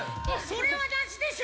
それはなしでしょ